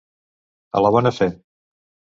A la bona fe.